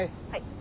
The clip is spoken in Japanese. はい。